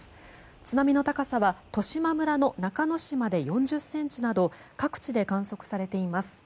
津波の高さは十島村の中之島で４０ｃｍなど各地で観測されています。